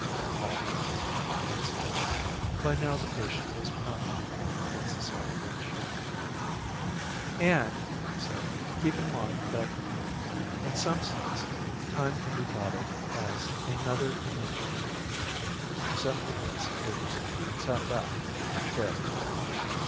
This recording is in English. "All right," I said. By now the patient was pounding the coin against the sole of one shoe. "And," he said, "keep in mind that in some sense time can be thought of as another dimension." He suddenly thrust the papers at me and sat back in the chair.